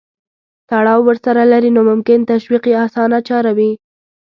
تړاو ورسره لري نو ممکن تشویق یې اسانه چاره وي.